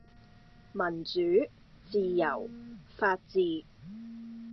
民主、自由、法治